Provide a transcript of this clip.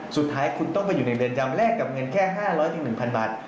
เพราะว่าอยู่ในเดือนจำแลกกับเงินแค่๕๐๐๑๐๐๐บาท